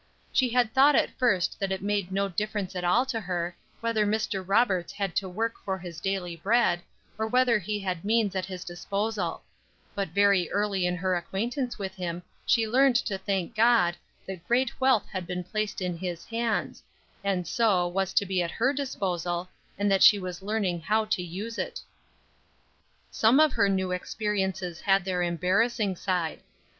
She had thought at first that it made no difference at all to her, whether Mr. Roberts had to work for his daily bread, or whether he had means at his disposal; but very early in her acquaintance with him she learned to thank God, that great wealth had been placed in his hands, and so, was to be at her disposal, and that she was learning how to use it. Some of her new experiences had their embarrassing side.